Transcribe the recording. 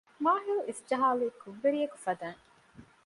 މާހިލް އިސްޖަހާލީ ކުށްވެރިއަކު ފަދައިން